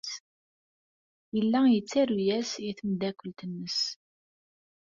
Yella yettaru-as i tmeddakelt-nnes.